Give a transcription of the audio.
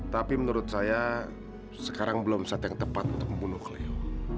tapi menurut saya sekarang belum saat yang tepat untuk membunuh beliau